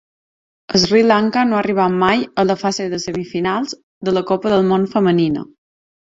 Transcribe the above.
Sri Lanka no ha arribat mai a la fase de semifinals de la Copa del Món femenina.